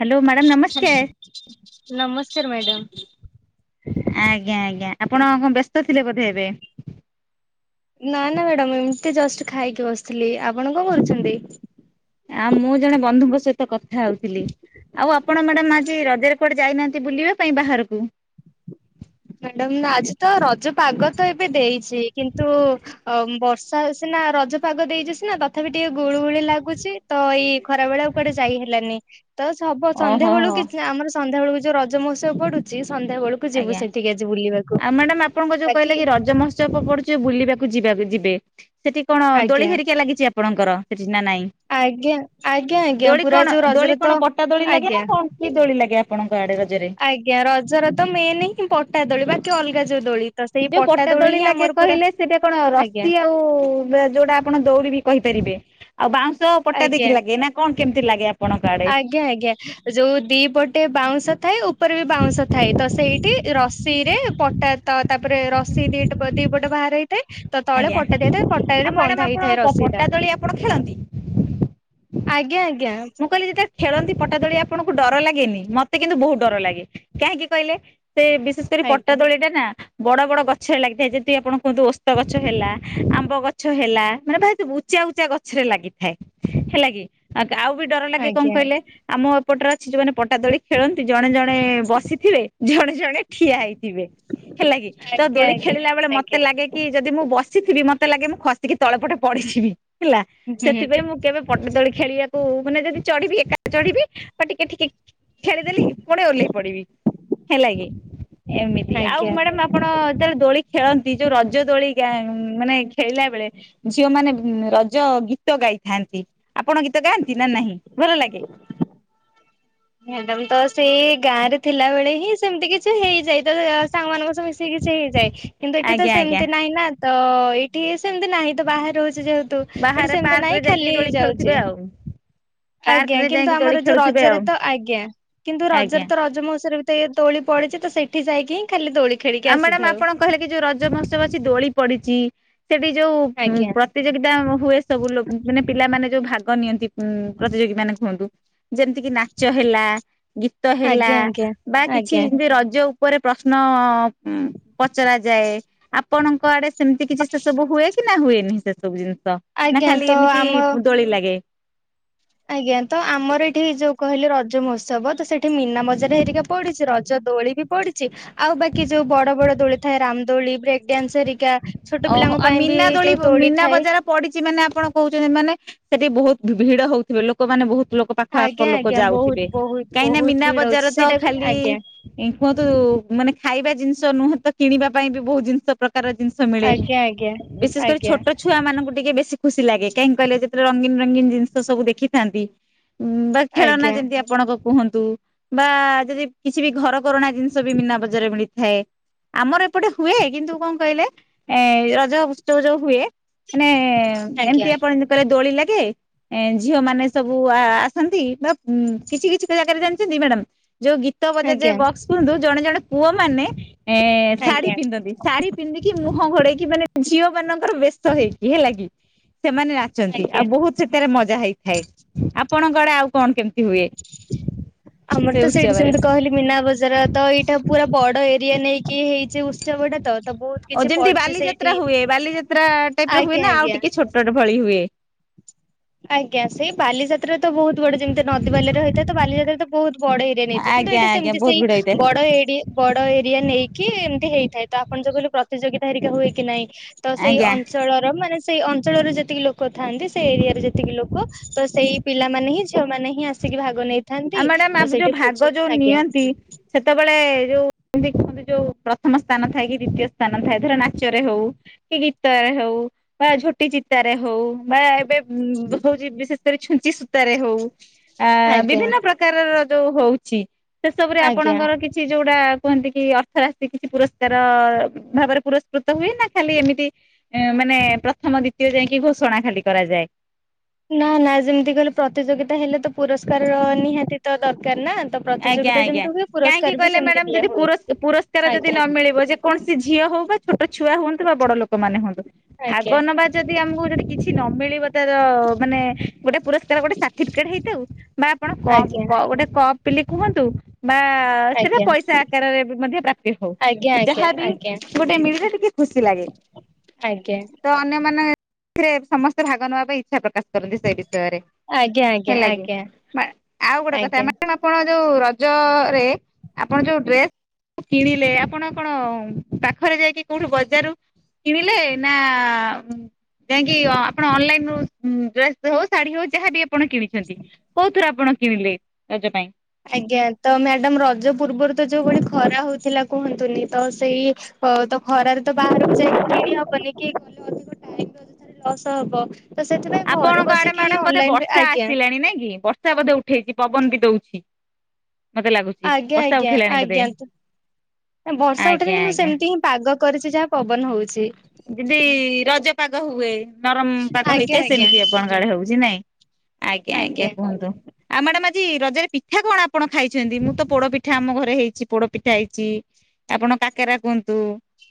Hello madam ନମସ୍କାର ନମସ୍କାର madam. ଆଜ୍ଞା ଆଜ୍ଞା ଆପଣ କଣ ବ୍ୟସ୍ତ ଥିଲେ ବୋଧେ ଏବେ? ନାଁ ନାଁ ମ୍ୟାଡାମ ଏମିତି ଜଷ୍ଟ ଖାଇକି ବସିଥିଲି। ଆପଣ କଁ କରୁଛନ୍ତି? ଆ ମୁଁ ଜଣେ ବନ୍ଧୁଙ୍କ ସହିତ କଥା ହୋଉଥିଲି। ଆଉ ଆପଣ ମାଡାମ ଆଜି ରଜରେ କୁଆଡ଼େ ଯାଇନାହାନ୍ତି ବୁଲିବା ପାଇଁ ବାହାରୁକୁ? ମାଡାମ ନାଁ ଆଜି ତ ରଜ ପାଗ ତ ଏବେ ଦେଇଚି କିନ୍ତୁ ଅ ବର୍ଷା ସିନା ରଜ ପାଗ ଦେଇଚି ସିନା ତ ଥାପି ଟିକେ ଗୁଳୁ ଗୁଳି ଲାଗୁଚି ତ ଏଇ ଖରା ବେଳେ ଆଉ କୁଆଡ଼େ ଯାଇ ହେଲାନେଇ ତ ସବ ସନ୍ଧ୍ୟା ଓହୋ ବେଳୁ ହୋ କିଛି ଆମର ସଂଧ୍ୟା ବେଳୁକୁ ଯୋଉ ରଜ ମହୋତ୍ସବ ପଡ଼ୁଚି। ସନ୍ଧ୍ୟା ବେଳୁକୁ ଯିବୁ ଆଜ୍ଞା ସେଠ ଆଉ ମାଡାମ ଆପଣଙ୍କ ଯୋଉ କହିଲେ କି ରଜ ମହୋତ୍ସବ ପଡୁଚି ବୁଲିବାକ କୁ ଯିବାକୁ ଯିବେ। ସେଠି କଣ ଦୋଳି ଆଜ୍ଞା ହେରିକା ଲାଗିଚି ଆପଣଙ୍କର? ନାଁ ନାଇଁ ଆଜ୍ଞା ଆଜ୍ଞା ଆଜ୍ଞା ଦୋଳି ପୁରା କଣ ଯୋଉ ଦୋଳି ରଜରେ କଣ ତ ପଟା ଦୋଳି ଲାଗେ ନାଁ ଆଜ୍ଞା କଣ କି ଦୋଳି ଲାଗେ ଆପ ଆଜ୍ଞା ରଜର ତ ମେନେ। ପଟା ଦୋଳି ବାକି ଅଲଗା ଯୋଉ ଦୋଳି। ତ ସେଇ ଯୋଉ ପଟା ଦୋଳି ଦଳି ହିଁ ଲାଗେ ଆମର ପୁରା କହିଲେ ସେଟା କଣ ଆଜ୍ଞା ରସି ଆଉ ବା ଯୋଉଟା ଆପଣ ଦୋଉଡି ବି କହିପାରିବେ ଆଉ ବାଁଉଶ- ଶ ପଟା ଦେଇକି ଆଜ୍ଞା ଲାଗେ ନା କଣ? କେମିତି ଲାଗେ ଅପ୍ ଆଜ୍ଞା -ଆଜ୍ଞା ଯୋଉ ଦିପଟେ ବାଉଁଶ। ଥାଏ ଉପ- ଉପରେ ବି ବାଉଁଶ ଥାଏ ତ ସେଇ। ରସି ରେ ପଟାତ ତାପରେ ରସି ଦିଟ ଦି ପଟ ବାହାର ହେଇ ଆଜ୍ଞା ଆଉ ବନ୍ଧା ମ୍ୟାଡାମ ଆପଣ ହେଇଥାଏ ରସି ଟା ପଟା ଦୋଳି ଆପଣ ଖେଳନ୍ତି। ଆଜ୍ଞା ଆଜ୍ଞା। କହିଲେ ଯେତେବେଳେ ଖେଳନ୍ତି ପଟାଦଳି ଆପଣଙ୍କୁ ଡର ଲାଗେନି ମତେ କିନ୍ତୁ ବହୁତ ଡର ଲାଗେ କାହିଁକି କହିଲେ। ସେ ବିଶେଷ କରି ପଟା ଆଜ୍ଞା ଦୋଳି ଟା ନା। ବଡ ବଡ ଗଛରେ ଲାଗିଥାଏ ଯେମତିି ଆପଣ କୁହନ୍ତୁ ଓସ୍ତ ଗଛ ହେଲା, ଆମ୍ବ ଗଛ ହେଲା, ମାନେ ଭାଇତ ସବୁ ଉଚା ଉଚା ଗଛରେ ଲାଗିଥାଏ ହେଲା କି। ଆଉ ବି ଡର ଲାଗେ କଣ ଆଜ୍ଞା କହିଲେ ଆମ। ପଟରେ ଅଛି ଯୋଉମାନେ ପଟା ଦୋଳି ଖେଳନ୍ତି ଜଣେ ଜଣ। ଜଣେ ବସିଥିବେ ଜଣେ ଜଣେ ଠିଆ ହେଇଥିବେ ହେଲା କି ତ ଆଜ୍ଞା ଆଜ୍ଞା ଦୋଳି ଖେଳିଲା ବେଳେ ଆଜ୍ଞା ମତେ ଆଜ୍ଞା ଲାଗେ କି ଯଦି ମୁଁ ବସିଥିବି ମତେ। ମତେ ଲାଗେ ମୁଁ ଖସିକି ତଳପଟେ ପଡିଯିବି। ଥିଲା ହୁଁ ସେଥିପାଇଁ ମୁଁ କେବେ ପଟା ଦୋଳି ଖେଳିବାକୁ। ମାନେ ଯଦି ଚଢିବି ଏକା ଚଢିବି ବା ଟିକେ ଟିକେ ଖେଳିଦେଲି ପୁଣି ଓହ୍ଲେଇ ପଡିବି ହେଲା କି ଏମିତି ଆଉ ଆଜ୍ଞା ମ୍ୟାଡାମ ଆପଣ ଯେତେବେଳେ ଦୋଳି ଖେଳ ଯୋଉ ରଜ ଦୋଳି ଗା ମାନେ ଖେଳିଲା ବେଳେ ଝିଅ ମାନେ ଉଁ ରଜ ଗୀତ ଗାଇ ଥାନ୍ତି ଆପଣ ଗୀ ତ ଗାଆନ୍ତି ନା ନାହିଁ? ଭଲ ଲାଗେ ମ୍ୟାଡାମ ତ ସେଇ ଗାଁ ରେ ଥିଲା ବଳେ ହିଁ ସେମିତି କିଛି ହେଇଯାଇ ତ ସାଙ୍ଗମାନଙ୍କ ସହ ମିଶି କିଛି ସେ ହେଇଯାଏ କିନ୍ତୁ ଏଠି ତ ଆଜ୍ଞା ଆଜ୍ଞା ସେମିତି ନାହିଁ ନା ତ ଏଇଠି ସେମିତି ନାହିଁ ବାହର ରହୁଛୁ ଯେହେତୁ ଏଠୁ ବାହାରେ ସେମତି ପାର୍କ ରେ ନାଇଁ ଖାଲି ଯାଇକି ହେଇ ଦୋଳି ଖେଳୁଥିବେ ଯାଉଚି ଆଉ ଆଜ୍ଞା ପାର୍କ ରେ କିନ୍ତୁ ଯାଇକି ଦୋଳି ଆମର ଯୋଉ ଖେଳୁଥିବେ ରଜରେ ଆଉ ଆଜ୍ଞା କିନ୍ତୁ ରଜରେ ଆଜ୍ଞା। ତ ରଜମଉସୀ ବି ତ ଏଇ ଦୋଳି ପଡିଚି ତ ସେଇ ଉଠ ଯାଇକି ହି ଖାଲି ଦୋଳି ଖେଳିକି ଆଉ ମ୍ୟାଡାାମ ଆସିଥାଉ। ଆପଣ କହିଲେ କି ଯୋଉ ରଜ ମହୋତ୍ସବ ଅଛି ଦୋଳି ପଡିଚି ସେଠି ଯୋଉ ଆଜ୍ଞା ପ୍ରତିଯୋଗିତା ହୁଏ ସବୁ ଲୋକ ମାନେ ପିଲାମାନେ ଯୋଉ ଭାଗ ନିଅନ୍ତି ଉ ପ୍ରତିଯୋଗୀ ମାନେ କୁହନ୍ତୁ ଯେମିତିକି ନାଚ ହେଲା ଗୀତ ହେଲା ଆଜ୍ଞା ଆଜ୍ଞା ବା କିଛି ଆଜ୍ଞା ଏମିତି ରଜ ଉ ଉପରେ ପ୍ରଶ୍ନ ଅ ହୁଁ ପଚରା ଯାଏ ଆପଣଙ୍କ ଆଡ଼େ ସେ ସେମିତି କିଛି ସେସବୁ ହୁଏ କି ନା ହୁଏନି ସେ ସବୁ ଜିନି ନା ଆଜ୍ଞା ଖାଲି ତ ଏମିତି ଆମ ଦୋଳି ଲାଗେ? ଆଜ୍ଞା ତ ଆମର ଏଠି ଯୋଉ କହିଲେ ରଜ ମହୋତ୍ସବ ତ ସେଠି ମୀନା ବଜାର ହେରିକା ପଡିଛି ରଜ ଦୋଳି ବି ପଡିଛି ଆଉ ବାକି ଯୋଉ ବଡ ବଡ ଦୋଳି ଥାଏ ରାମଦୋଳି, ବ୍ରେକ୍ ଡାନ୍ସ ହେରିକା ଛୋଟ ଓହୋ ପିଲାଙ୍କ ଆଉ ପାଇଁ ବି ମିନାଦୋଳି ଯୋଉ ଆଉ ଦୋଳି ମୀନା ଥାଏ ବଜାର ପଡିଛି ମାନେ ଆପଣ କହୁଛନ୍ତି ମାନେ ସେଠି ବହୁତ ଭିଡ ହଉଥିବେ ଲୋକମାନେେ ବହୁତ ଲୋକ ପାଖ ଆଖ ଆଜ୍ଞା ଲୋକ ଆଜ୍ଞା ଯାଉଥିବେ ବହୁତ ବହୁତ କାହିଁକିନା ବହୁତ ମୀନା ଭିଡ ହଉଛି ବଜାର ତ ସେଇଟା ବି ଖାଲି ଆଜ୍ଞା କୁହନ୍ତୁ ମାନେ ଖାଇବା ଜିନିଷ ନୁହେଁ ତ କିଣିବା ପାଇଁ ବି ବହୁତୁ ଜିନିଷ ପ୍ରକାର ଜି ମିଳେ ଆଜ୍ଞା ବିଶେଷ କରି ଆଜ୍ଞା ଛୋଟ ଛୁଆ ମାନଙ୍କୁ ଟିକେ ବେଶୀ ଖୁସି ଲାଗେ କାହିଁକି କହିଲେ ଯେତେବେଳେ ରଙ୍ଗୀନ ରଙ୍ଗୀନ ଜିନିଷ ସବୁ ଦେଖିଥାନ୍ତି। ଉ ବା ଖେଳନା ଆଜ୍ଞା ଆଜ୍ଞା ଯେମିତି ଆପଣଙ୍କ କୁହନ୍ତୁ ବା ଯଦି କିଛି ବି ଘର କରଣା ଜିନିଷ ବି ମିନା ବଜରେ ମିଳି ହେ ଆମର ଏପଟେ ହୁଏ କିନ୍ତୁ କଣ କହିଲେ ଏ ରଜ ଉତ୍ସବ ଯଉ ହୁଏ ମାନେ ଏମତି ଆଜ୍ଞା ଆପଣ ଯୋ କହିଲେ ଦୋଳି ଲାଗେ। ଏ ଝିଅ ମାନେ ସବୁ ଆ ଆସନ୍ତି ବା କିଛି କିଛି ଜାଗାରେ ଜାଣିଚନ୍ତି ମ୍ୟାଡାାମ ଯଉ ଗୀତ ବଜା ଯାଏ ଆଜ୍ଞା ବକ୍ସ କୁହନ୍ତୁ ଜଣେ ଜଣେ ପୁଅମାନେେ ଏ ଶାଢୀ ଆଜ୍ଞା ପିନ୍ଧନ୍ତି ଶାଢ଼ୀ ପିନ୍ଧିକି ମୁହଁ ଘୋଡେଇକି ମାନେ ଝିଅ ମାନଙ୍କର ବେସ ହେଇକି ହେଲା କିି ସେମାନେ ନାଚନ୍ତି। ଆଉ ଆଜ୍ଞା ବହୁତ ସେଥିରେ ମଜା ହେଇ ଥାଏ। ଆପଣଙ୍କଆଡେ ଆଉ କଣ କେମିତି ହୁଏ ଆମର ସେ ତ ସେଇଠି ଉତ୍ସବରେ? ସେମିତି କହିଲି ମୀନା ବଜାର ତ ଏଇଟା ପୁରା ବଡ ଏ ଦିଏ ନେଇ କିଏ ହେଇଚି ଉତ୍ସବ ଟା ତ। ତ ବହୁତ ଓ କିଛି ଯେମିତି ପଡୁଚି ବାଲିଯାତ୍ରା ସେଇଠି ହୁଏ ବାଲିଯାତ୍ରା ଟାଇପ ର ହୁଏ ଆଜ୍ଞା ନା ଆଉ ଆଜ୍ଞା। ଟିକେ ଛୋଟ ଭଳି ହୁଏ? ଆଜ୍ଞା ସେଇ ବାଲିଯାତ୍ରା ତ ବହୁତ ବଡ ଯେମିତି ନଦୀ ବାଲିରେ ହୋଇଥାଏ ବାଲିଯାତ୍ରା ତ ବହୁତ ବଡ ଏରିଆ ନେଇଥାଏ କିନ୍ତୁ ଆଜ୍ଞା ଏଇଠା ଆଜ୍ଞା ସେମତି ବହୁତ ଭିଡ ସେଇ ହେଇଥାଏ ବଡ ଏରିଆ ବଡ ଏରିଆ ନେଇକି କି ଏମିତି ହେଇଥାଏ ତ ଆପଣ ଯଉ କହିଲେ ପ୍ରତିଯୋଗିତା ହେରିକା ହୁଏ କି ନାଇଁ? ତ ସେଇ ଆଜ୍ଞା। ଅଞ୍ଚଳର ମାନେ ସେଇ ଅଞ୍ଚଳରେ ଯେତିକି ଲୋକ ଲୋକ ଥାନ୍ତି ସେ ଏରିଆରେ ଯେତ୍ ଲୋକ ତ ସେଇ ପିଲାମାନେ ହିଁ ଝିଅ ମାନେ ହିଁ ଆସିକି ଭାଗ ନେଇ ଆଉ ମ୍ୟାଡାମ ଆପ ଯଉ ଭାଗ ଯଉ ନିଅନ୍ତି ସେତେବେଳେ ଯଉ ଦେଖନ୍ତି ଯୋଉ ପ୍ରଥମ ସ୍ଥାନ ଥାଏ କି ଦ୍ଵିତୀୟ ସ୍ଥାନ ଥାଏ ଧର ନାଚରେ ହଉ କି ଗୀତରେ ହଉ ବା ଝୋଟି ଚିତାରେ ହଉ। ବା ଏବେ ହଉଚି ବିଶେଷ କରି ଛୁଞ୍ଚି ସୂତାରେ ହଉ ଆ ଆଜ୍ଞା ବିଭିନ୍ନ ଯୋଉ ହଉଚି। ଶେଷବୁରେ ଆଜ୍ଞା। ଆପଣଙ୍କର କିଛି ଯଉଟା କୁହନ୍ତି କି ଅର୍ଥ ରାଶି କିଛି ପୁରସ୍କାର ଭାବରେ ପୁରସ୍କୃତ ହୁଏ ନା ଖାଲି ଏମିତି ଏ ମାନେ ଥମ ଦ୍ୱିତୀୟ ଯାଇକି ଘୋଷଣା ଖାଲି କରାଯାଏ। ନା ନା ଯେମିତି କହିଲ ପ୍ରତିଯୋଗିତା ହେଲେ ତ ପୁରସ୍କାର ର ନିହାତି ତ ଦରକାର। ନା ତ ଆଜ୍ଞା ପ୍ରତିଯୋଗିତା ଆଜ୍ଞା। ଯେମିତି ହୁଏ କାହିଁକି ପୁରସ୍କାର ବି କହିଲେ ସେମିତି ମ୍ୟାଡାମ ଦିଆ ଯଦି ହୁଏ ପୁର ପୁରସ୍କାର ଯଦି ଆଜ୍ଞା। ନ ମିଳିବ ଯେ କୌଣସି ଝିଅ ହଉ ବା ଛୋଟ ଛୁଆ ହଅନ୍ [inaudible] ବଡ ଲୋକମାନେ ହୁଅନ୍ତୁ ଆଜ୍ଞା ଭାଗ ନବା ଯଦି ଆମକୁ ଯଦି କିଛି ନ ମିଳିବ ତାର ମାନେ ଗୋଟେ ପୁରସ୍କାର ଗୋଟେ ସାର୍ଟିଫିକେଟ ହେଇଥାଉ ବା ଆପଣ କ ଆଜ୍ଞା କ ଗୋଟେ କପ [unintelligible] ବା ସେଟା ଆଜ୍ଞା ପଇସା ଆକାରରେ ବି ମଧ୍ୟ ପ୍ରାପ୍ତି ହଉ ଆଜ୍ଞା ଯାହାବି ଆଜ୍ଞା ଗୋଟେ ମିଳିଲେ ଟିକେ ଖୁସି ଲାଗେ ଆଜ୍ଞା ତ ଅନ୍ୟ ମାନେ ସେଥିରେ ସମସ୍ତେ ଭାଗ ନେବା ପାଇଁ ଇଚ୍ଛା ପ୍ରକାଶ କରନ୍ତି ସେ ବି ବିଷୟ ରେ ଆଜ୍ଞା ଆଜ୍ଞା ଆଜ୍ଞା ହେଲା କି ଆଜ୍ଞା ମା ଆଉ ଗୋଟେ କଥା ଆଜ୍ଞା ମା ଯୋଉ ରଜରେ ଆପଣ ଯୋଉ ଡ୍ରେସ କିଣିଲେ ଆପଣ କଣ ପାଖରେ ଯାଇକି କୋଉଠୁ ବଜାର କିଣିଲେ ନା ଯାଇକି ଆପଣ ଅନଲାଇନ ରୁ ଡ୍ରେସ୍ ହଉ ଶାଢୀ ହଉ ଯାହାବି ଆପଣ କିଣିଛନ୍ତି କୋଉଥିରେ ଆପଣ କିଣିଲେ ରଜ ପାଇଁ ଆଜ୍ଞା ତ ମ୍ୟାଡାମ ରଜ ପୂର୍ବରୁ ତ ଯୋଉ ଭଳି ଖରା ହଉଥିଲା କୁହନ୍ତୁନି ତ ସେଇ ତ ଖରାରେ ତ ବାହାରକୁ ଯାଇ ହବନି କି ଗଲେ ଅଧିକ ଟାଇମ ଅଯଥା ରେ ଲସ୍ ହବ। ତ ସେଥିପାଇଁ ଘରେ ଆପଣଙ୍କ ଆଡେ ବସିକି ହିଁ ମାଡାମ୍ ବୋଧେ ଅନଲାଇନରେ ବର୍ଷା ଆଜ୍ଞା ଆସିଲାଣି ନାଇ କି ବର୍ଷା ବୋଧେ ଉଠେଇଛି ପବନ ବି ଦଉ [unintelligible] ଆଜ୍ଞା ଆଜ୍ଞା ଆଜ୍ଞା ବର୍ଷା ଆଜ୍ଞା ଉଠେନି କିନ୍ତୁ ଆଜ୍ଞା ସେମିତି ହିଁ ପାଗ କରିଛି ଯାହା ପବନ ହଉଛି। [inaudible] ରଜ ପାଗ ହୁଏ। ନରମ ପାଗ ଆଜ୍ଞା ହେଇଥାଏ ଆଜ୍ଞା ସେମିତି ଆପଣଙ୍କ ଆଡେ ହଉଛି ନାଇଁ ଆଜ୍ଞା ଆଜ୍ଞା କୁହନ୍ତୁ ଆଉ ମ୍ୟାଡ଼ାମ ଇ ରଜରେ ପିଠା କଣ ଆପଣ ଖାଇଛନ୍ତି ମୁଁ ତ ପୋଡ ପିଠା ଆମ ଘରେ ହେଇଛି ପୋଡ ପିଠା ହେଇଛି ଆପଣ କାକେରା କୁହନ୍ତୁ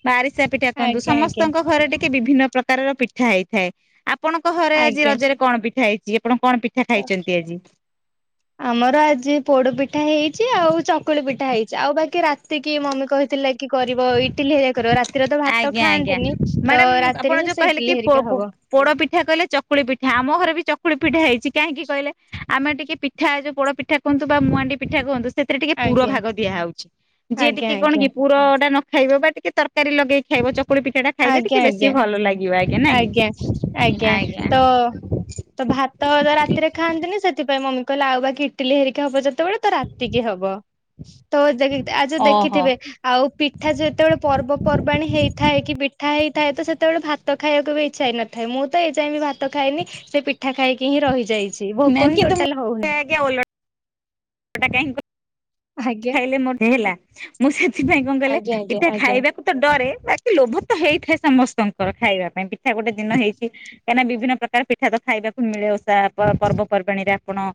ବା ଆରିଶା ପିଠା [unintelligible] ଆଜ୍ଞା ସମ ଆଜ୍ଞା ଟିକେ ବିଭିନ୍ନ ପ୍ରକାରର ପିଠା ହେଇଥାଏ ଆପଣଙ୍କ ଘରେ ଆଜି ଆଜ୍ଞା ରଜରେ କଣ ପିଠା ହେଇଛି ଆପଣ କଣ ପିଠା ଖାଇଛନ୍ତି ଆଜି? ଆମର ଆଜି ପୋଡପିଠା ହେଇି ଆଉ ଚକୁଳି ପିଠା ହେଇଛି ଆଉ ବାକି ରାତିକି ମମି କହି ଥିଲା କି କରିବ ଇଟିଲି [unintelligible] କରିବ ରାତିରେ ତ ଭାତ ଆଜ୍ଞା ଆଜ୍ଞା ଖାଆନ୍ତିନି ତ ମ୍ୟାଡାାମ ଆପଣ ରାତିରେ ହିଁ ଯୋଉ ସେ କହିଲେ ଇଟିଲି କି ପୋ ହେରିକା ପୋ ହବ ପୋଡ ପିଠା କହିଲେ ଚକୁଳି ପିଠା ଆମ ଘରେ ବି ଚ୍ ଚକୁଳି ପିଠା ହେଇଛି କାହିଁକି କହିଲେ ଆମେ ଟିକେ ପିଠା ଯୋଉ ପୋଡ଼ ପିଠା କୁହନ୍ତୁ ବା ମୁହାଣ୍ଡି ପିଠା କୁହନ୍ତୁ ସେଥିରେ ଟିକେ ପୁର ଆଜ୍ଞା ଭାଗ ଦିଆ ହେଉଛି ଯିଏ ଆଜ୍ଞା ଟିକେ କଣ ଆଜ୍ଞା କି ପୁରଟା ନ ଖାଇବ ବା ଟିକେ ତରକାରୀ ଲଗେଇି ଖାଇବ ଚ ଆଜ୍ଞା ଆଜ୍ଞା ନାଇଁ କି ଆଜ୍ଞା ଆଜ୍ଞା ତ ତ ଭାତ ରାତିରେ ଖାଆନ୍ତିନି ସେ ସେଥିପାଇଁ ମମି କହିଲା ଆଉ ବାକି ଇଟିଲି ହେରିକା ହବ ଯେତ୍ ସେତେବେଳେ ତ ରାତିକି ହବ ତ [unintelligible] ଆଉ ଯୋଉ ଓହୋ। ଦେଖିଥିବେ ଆଉ ପିଠା ଯେତେବେଳେ ପର୍ବପର୍ବାଣି ହେଇଥାଏ କି ପି ପିଠା ହେଇଥାଏ ତ ସେତେବେଳେ ଭାତ ଖାଇବାକୁ ବି ଇଚ୍ଛା ହେଇ ନଥାଏ ମୁଁ ତ ଏ ଯାଏ ବି ଭାତ ଖାଇନି ସେ ପିଠା ଖାଇକି ହିଁ ରହିଯାଇ ନା ଭୋକ ହ ଟୋଟାଲ ହଉନି ହେଟା କାହିଁ କି ଆଜ୍ଞା। ଖାଇଲେ ମୋ ହେଲା ମୁଁ ସେ ସେଥିପାଇଁ କଣ କଲେ ଆଜ୍ଞା ଆଜ୍ଞା ପିଠା ଆଜ୍ଞା। ଖାଇବାକୁ ତ ଡରେ ବାକି ଲୋଭ ତ ହେଇଥାଏ ସମସ୍ତଙ୍କର ଖାଇବା ପାଇଁ ସୋ ଗୋଟେ ଦିନ ହେଇଛି। କାହିଁକି ନା ବିଭିନ୍ନ ପ୍ରକାର ପିଠା ତ ଖାଇବାକୁ ମିଳେ ଓଷା ପର୍ବପର୍ବାଣି ରେ ଆପଣ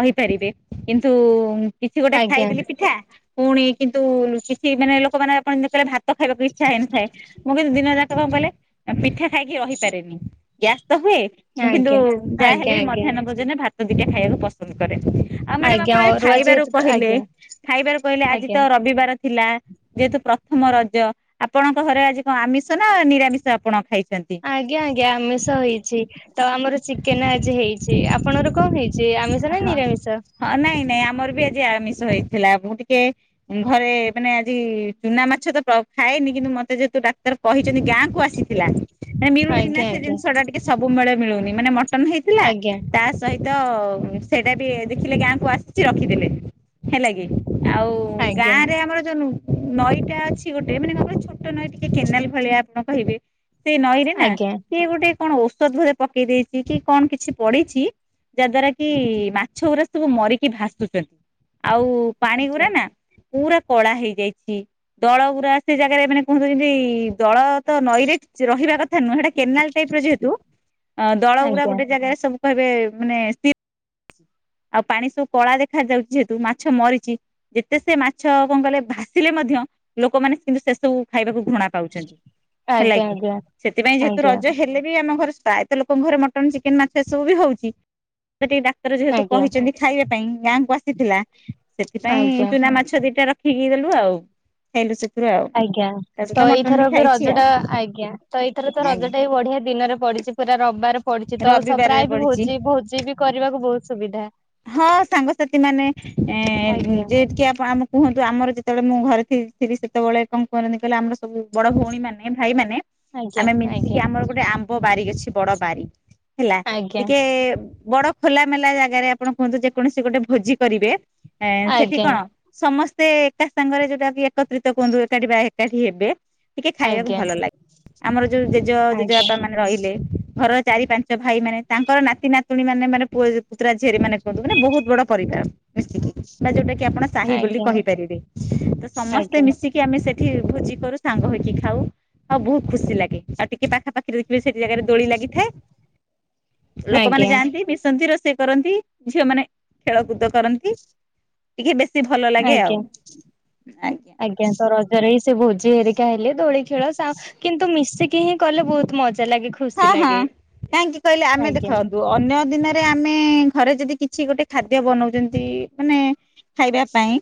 କହିପାରିବେ କିନ୍ତୁ। କିଛି ଗୋଟେ ଆଜ୍ଞା ଖାଇଦଲେ ପି ପୁଣି କିନ୍ତୁ କିଛି ମାନେ ଲୋକମାନୋନ ଆପଣ କହିଲେ ଭା ତ ଖାଇବାକୁ ଇଚ୍ଛା ହେଇନଥାଏ ମୁଁ କିନ୍ତୁ ଦିନ ଯାକ [unintelligible] ପିଠା ଖାଇକି ରହିପାରେନି ଗ୍ୟାସ ତ ହୁଏ ମୁଁ କିନ୍ତୁ ଆଜ୍ଞା ଆଜ୍ଞା ଯାହାହଲେବି ଆଜ୍ଞା ମଧ୍ୟାହ୍ନ ଭୋଜନରେ ଭା ତ ଦୁଇଟା ଖାଇବାକୁ ପସନ୍ଦ କରେ। ଆଉ ମ୍ୟାଡାମ ଆଜ୍ଞା ଆପଣ ଏ ଅରୁଆ ଖାଇବାରୁ ଯେହେତୁ ତ କହିଲେ ଆଜ୍ଞା। ଖାଇବାର କହିଲେ ଆଜି ଆଜ୍ଞା। ତ ରବିବାର ଥିଲା ଯେହେତୁ ପ୍ରଥମ ରଜ ଆପଣଙ୍କ ଘରେ ଆଜି କଣ ଆମିଷ ନା ନିରାମିଷ ଆପଣ ଖାଇ ଆଜ୍ଞା ଆଜ୍ଞା ଆମିଷ ହେଇଚି। ତ ଆମର ଚିକେନ ଆଜି ହେଇଚି। ଆପଣଙ୍କର କଣ ହେଇଛି ଆମିଷ ନା ହଁ। ନିରାମିଷ? ଷ ହେଇଥିଲା ମୁଁ ଟିକେ ଘରେ ମାନେ ଆଜି ଚୁନା ମାଛ ତ ଖାଏନି। କିନ୍ତୁ ମତେ ଯେହେତୁ ଡାକ୍ତର କହିଛନ୍ତି। ଗାଁକୁ ଆସି ଥିଲା ମିଳୁନି ନା ଆଜ୍ଞା ସେ ଆଜ୍ଞା ଜିନିଷ ଟା ଟିକେ ସବୁ ବେଳେ ମିଳୁନି। ମାନେ ମ ଟନ ହେଇଥିଲା ଆଜ୍ଞା ତା ସହି ତ ସେଇଟା ଟିକେ ଦେଖିଲେ ଗାଁକୁ ଆସିଛି। ତ ରଖିଦେଲେ ହେଲା କି ଆଉ ଆଜ୍ଞା ଗାଁ ରେ ଆମର ଜାନୁ ନଈଟା ଅଛି ଗୋଟେ ମାନେ ଭାବ ଛୋଟ ନଈ ଟିକେ କେନାଲ ଭଳିଆ ଆପଣ କହିବେ। ସେ ନଈରେ ନା ଆଜ୍ଞା ସିଏ ଗୋଟେ କଣ ଔଷଧ ଘରେ ପକେଇ ଦେଇ କି କଣ କିଛି ପଡିଛି। ଯାହା ଦ୍ଵାରା କି ମାଛ ଗୁଡା ସବୁ ମରିକି ଭାସୁଛନ୍ତି। ଆଉ ପାଣି ଗୁରା ଆଜ୍ଞା। ନା ପୁରା କଳା ହେଇଯାଇଛି। ଦଳ ଗୁରା ସେଇ ଜାଗାରେ ମାନେ କୁହନ୍ତୁ ଯେମିତି ଦଳ ତ ନଈରେ ରହିବା କଥା ନୁହୁଁ। ହେଟା କେନାଲ ଟାଇପ ର ଯେହେତୁ ଦଳ ପୁରା ଆଜ୍ଞା ଗୋଟେ ଜାଗାରେ ସବୁ କହିବେ ମାନେ ସ୍ଥି ଆଉ ପାଣି ସବୁ କଳା ଦେଖା ଯାଉଛି। ଯେହେତୁ ମାଛ ମରିଛି। ଯେତେ ସେ ମାଛ କଣ କହିଲେ ଭାସିଲେ ମଧ୍ୟ ଲୋକମାନେ କିନ୍ତୁ ସେ ସବୁ ଖାଇବାକୁ ଘୃଣା ପାଉଛନ୍ତି ହେଲା ଆଜ୍ଞା କି। ଆଜ୍ଞା ସେଥିପାଇଁ ଯେହେତୁ ଆଜ୍ଞା ରଜ ହେଲେ ବି ଆମ ଘ। [unintelligible] ଙ୍କ ଘରେ ମଟନ୍ ଚିକେନ ମାଛ ଏସବୁ ବି ହଉଛି। ଏବେ ଟିକେ ଡାକ୍ତର ଯେହେତୁ ଆଜ୍ଞା କହିଛନ୍ତି। ଖାଇବା ପାଇଁ ଗାଁକୁ ଆସି। ଥିଲା। ସେଥିପାଇଁ ଆଜ୍ଞା ଚୁନା ମାଛ ଦିଟା ରଖିକି। [unintelligible] ଆଜ୍ଞା ତା ସହିତ ତ ମଟନ ଏଇଥର ବି ଖାଇଛି ରଜ ଆଉ ଟା ଆଜ୍ଞା ତ ଏଇଥର ତ ଆଜ୍ଞା ରଜଟା ହ ବଢିଆ ଦିନରେ ପଡିଛି। ପୁରା ର ର ବାରେ ପଡିଛି ତ ରବିବାରରେ ପ୍ରାୟ ବି ପଡିଛି। ଭୋଜି ଭୋଜି ବି କରିବାକୁ ବହୁତ। ସୁବିଧା। ହଁ ସାଙ୍ଗସାଥି ମାନେ ଏ ଆଜ୍ଞା ଯେତିକି ଆପଣ ଆମ କୁହନ୍ତୁ ଆମର ଯେ ଯେତେବେଳେ ମୁଁ ଘରେ ଥି-ଥିଲି। ସେତେବେଳେ କଣ କରନ୍ତି କହିଲେ ଆମର ସବୁ ବଡ ଭଉଣୀ ମାନେ ଭାଇମାନେ। ଆଜ୍ଞା ଆମେ ମିଶିକି ଆଜ୍ଞା ଆମର ଗୋଟେ ଆମ୍ବ ବାରିକ ଅଛି। ବଡ ବାରି ହେଲା ଆଜ୍ଞା। ଟିକେ ବଡ। ଖୋଲା ମେଲା ଜାଗାରେ। ଆପଣ କୁହନ୍ତୁ ଯେକୌଣସି ଗୋଟେ ଭୋଜି କରିବେ। ଏଁ ସେଠି ଆଜ୍ଞା କଣ ସମସ୍ ସେ ଏକା ସାଙ୍ଗରେ ଯଉଟା କି ଏକତ୍ରିତ କୁହନ୍ତୁ। ଏକାଠି ବା ଏକାଠି ହେବେ। ଟିକେ ଖାଇବାକୁ ଆଜ୍ଞା ଭଲ ଲାଗେ ଆମର ଯୋଉ ଜେଜେ ଜେଜେ ଆଜ୍ଞା ବାପା ମାନେ ରହିଲେ ଘର ଚାରି ପାଞ୍ଚ ଭାଇ ମାନେ ତାଙ୍କର ନାତି ନାତୁଣୀ ମାନେ ମାନେ ପୁଅ ପୁତୁରା ଝେରି ମାନେ କୁହନ୍ତୁ ବହୁତ ବଡ ପରିବାର ମିିଶିକି ବା ଯୋଉଟା କି ଆପଣ ସାହି ବୋଲି ଆଜ୍ଞା କହିପାରିବେ ତ ସମସ୍ତେ ଆଜ୍ଞା ମିଶିକି ଆମେ ସେଠି ଭୋଜି କରୁ ସାଙ୍ଗ ହେଇକି ଖାଉ ଆଉ ବହୁତ ଖୁସି ଲାଗେ ଆଉ ଟିକେ ପାଖାପାଖି ସେଠି ଜାଗାରେ ଦୋଳି ଲାଗିଥାଏ। ଲୋକମାନେ ଆଜ୍ଞା ଯାଆନ୍ତି ମିଶନ୍ତି ର କରନ୍ତି ଝିଅମାନେ ଖେଳକୁଦ କରନ୍ତି ଟିକେ ବେଶ ଆଜ୍ଞା ଆଜ୍ଞା ତ ରଜରେ ହି ସେ ଭୋଜି ହେ ହେଲେ ଦୋଳି ଖେଳ ସା କିନ୍ତୁ ମିଶିକି ହିଁ କଲେ ବହୁତ ମଜ ହଁ ହଁ କାହିଁକି କହିଲେ ଆମେ ଆଜ୍ଞା ଦେଖନ୍ତୁ ଅନ୍ୟ ଦିନରେ ଆମେ ଥରେ ଯଦି କିଛି ଗୋଟେ ଖାଦ୍ୟ ବନାଉଛନ୍ତି ମାନେ ଖାଇବା ପାଇଁ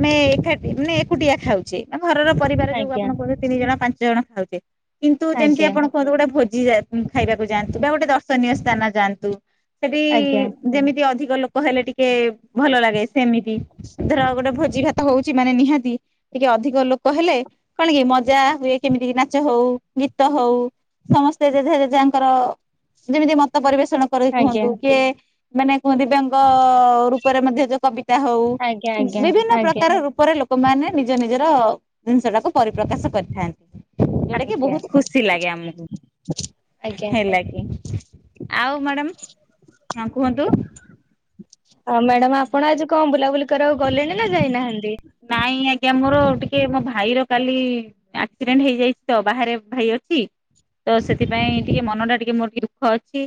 ଆମେ ଏକାଠି ମାନେ ଏକୁଟିଆ ଖାଉଛେ ତ? ଘରର ପରିବାର ଯୋଉ ଆଜ୍ଞା ଆପଣ କହୁଛନ୍ତି ତିନି ଜଣ ପାଞ୍ଚ ଜଣ [unintelligible] କିନ୍ତୁ ଯେମିତି ଆଜ୍ଞା ଆପଣ କୁହନ୍ତୁ ଗୋଟେ ଭୋ ଖାଇବାକୁ ଯାଆନ୍ତୁ ବା ଗୋଟେ ଦର୍ଶନୀୟ ସ୍ଥାନ ଯାଆନ୍ତୁ। ସେଠି ଆଜ୍ଞା ଯେମିତି ଅଧିକ ଲୋକ ହେଲେ ଟିକେ ଟିକ ଭଲ ଲାଗେ ସେମିତି ଧର ଗୋଟେ ଭୋ ଘାତ ହଉଛି ମାନେ ନିହାତି ଟିକେ ଅଧିକ ଲୋକ ଲୋକ ହେଲେ କଣ କି ମ ପୂ ଯା ହୁଏ କେମିତି ନାଚ ହଉ ଗୀତ ହଉ ସମସ୍ତ ସେ ଯାଙ୍କର ଯେମିତି ମତ ପରିବେଶ କରି ଆଜ୍ଞା। କୁହନ୍ତୁ କିଏ ମାନେ କୁହନ୍ତିି ବ୍ୟାଙ୍କ ରୂପରେ ମଧ୍ୟ ଯୋଉ କବି ହଉ ଆଜ୍ଞା ଆଜ୍ଞା ବିଭିନ୍ନ ଆଜ୍ଞା ପ୍ରକାର ରୂପରେ ଲୋକ ଲୋକମାନେ ନିଜ ନିଜର ଜିନିଷ ଟାକୁ ପରିପ୍ରକାଶ କରିଥାନ୍ତି। ଯଉଟା କି ଆଜ୍ଞା ବହୁତ ଖୁସି ଲାଗେ ଆମକୁ ଆଜ୍ଞା ହେଲା କି ଆଉ ମ୍ୟାଡାମ ହ କୁହନ୍ତୁ। ଆଉ ମ୍ୟାଡାମ ଆପଣ ଆଜି କଣ ବୁଲା ବୁଲିିକ ଆଉ ଗଲେଣି ନା ଯାଇନାହାନ୍ତି? ନାଇଁ ଆଜ୍ଞା ମୋର ଟିକେ ମୋ ଭାଇର କାଲି ଆକ୍ସିଡେଣ୍ଟ ହେଇଯାଇଛି ତ ବାହାରେ ଭାଇ ଅଛି ତ ସେଥିପାଇଁ ମୋର ଟିକେ ଦୁଃଖ ଅଛି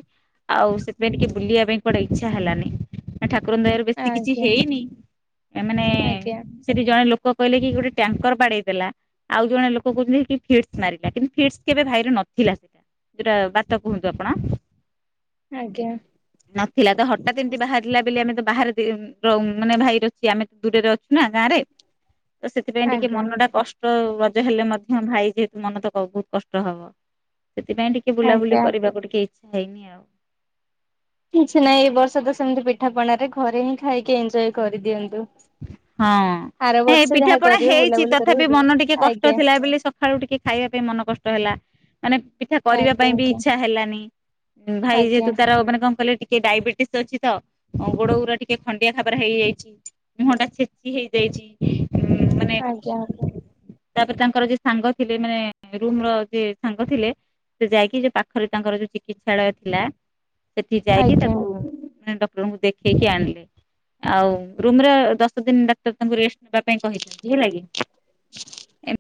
ଆଉ ସେଥିପାଇଁ ଟିକେ ବୁଲିବା ପାଇଁ କୁଆଡେ ଇଛା ହେଲାନି ନାଠା ଠାକୁରଙ୍କ ଦୟାରୁ ବେଶୀ କିଛି ଆଜ୍ଞା ହେଇନି ଏମାନେ ଆଜ୍ଞା ଜଣେ ଲୋକ କହିଲେ କି ଗୋଟେ ଟ୍ୟାଙ୍କର ବାଡେଇ ଦେଲା ଆଉ ଜଣେ ଲୋକ କହୁଥିଲେ କି ଫିଡ୍ସ୍ ମାରିଲା କିନ୍ତୁ ଫିଡ୍ସ୍ କେବେ ଭାଇରେ ନଥିଲା ସେଇଟା ଯୋଉଟା ବାତ କୁହନ୍ତୁ ଆପଣ। ଆଜ୍ଞା ନଥିଲା ତ ହଠାତ୍ ଏମତି ବାହାରିଲା ବୋଲି ଆମେ ତ ବାହାରେ ମାନେ ଭାଇ ର ଅଛି ଆମେ ତ ଦୂରରେ ଅଛୁ ନା ଗାଁରେ। ତ ସେଥିପାଇଁ ଟିକେ ଆଜ୍ଞା ମନ ଟା କଷ୍ଟ ରଜ ହେଲେ ମଧ୍ୟ ଭାଇ ଯେହେତୁ ମନ ତ ବହୁତ କଷ୍ଟ ହବ। ସେଥିପାଇଁ ଟିକେ ବୁଲାବୁଲି ଆଜ୍ଞା କରିବାକୁି ଟିକେ ଇ ହେଇନି ଆଉ। କିଛି ନାହିଁ ଏଇ ବର୍ଷ ତ ସେମିତି ପିଠାପଣାରେ ଘରେ ହିଁ ଖାଇକି ଏନଜୟ କରିଦିଅନ୍ତୁ। ହଁ ଆର ଏ ବର୍ଷ ପିଠା ଯାହା ପଣା କରିବେ ହେଇଛି ବୁଲାବୁଲି ତଥାପି କରିବାକୁ ଯିବେ ମନ ଟିକେ କଷ୍ଟ ଆଜ୍ଞା ଥିଲା ବୋଲି ସକାଳୁ ଟିକେ ଖାଇବା ପାଇଁ ମନ କଷ୍ଟ ହେଲା। ମାନେ ପିଠା କରିବା ଆଜ୍ଞା ପାଇଁ ବି ଇଚ୍ଛା ହେଲାନି। ଭାଇ ଆଜ୍ଞା ଯେହେତୁ ତାର ମାନେ କଣ କଇଲେ ଟିକେ ଡାଇବେଟିସ୍ ଅଛି ତ ଗୋଡ଼ ଅରା ଟିକେ ଖଣ୍ଡିଆ ଖାବାରେ ହେଇଯାଇଛି ମୁହଟା ଛେଚି ହେଇଯାଇଛି। ଆଜ୍ଞା ଆଜ୍ଞା। ତାପରେ ତାଙ୍କର ଯ ସାଙ୍ଗ ଥିଲେ ମାନେ ରୁମ ର ଯିଏ ସାଙ୍ଗ ଥିଲେ ସେ ଯାଇକି ଯ ପାଖରେ ତାଙ୍କର ଯୋଉ ଚିକିତ୍ସାଳୟ ଥିଲା ସେଠି ଯାଇକି ଆଜ୍ଞା ତାକୁ ଡା ଡକ୍ଟର ଙ୍କୁ ଦେଖେଇକି ଆଣିଲେ ଆଉ ରୁମ୍ ରେ ଦ ଦିନି ଡାକ୍ତର ତାକୁ ରେଷ୍ଟେ ନବା ପାଇଁ କହିଛନ୍ତି ହେଲା କିି ଏ